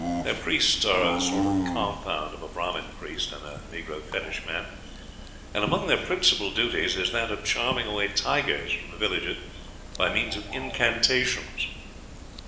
Their priests are a sort of compound of a Brahmin priest and a negro fetish man, and among their principal duties is that of charming away tigers from the villages by means of incantations.